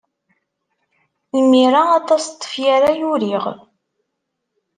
Imir-a, aṭas n tefyar ay uriɣ.